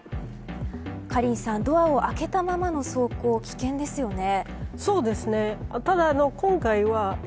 カリンさんドアを開けたままの走行危険ですよね。